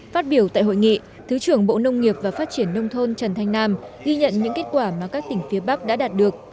phát biểu tại hội nghị thứ trưởng bộ nông nghiệp và phát triển nông thôn trần thanh nam ghi nhận những kết quả mà các tỉnh phía bắc đã đạt được